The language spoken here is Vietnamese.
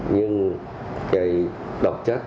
nhưng cái độc chất